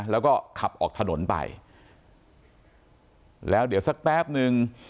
แล้วก็ขับออกถนนไปแล้วเดี๋ยวสักแป๊บนึง